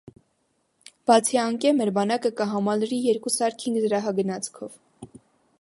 Բացի անկէ, մեր բանակը կը համալրուի երկու սարքին զրահագնացքով։